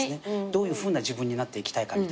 どういうふうな自分になっていきたいかみたいな。